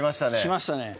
きましたね